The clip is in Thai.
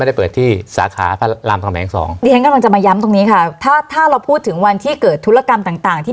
ไม่ได้เปิดที่สาขารามกำแหน่ง๒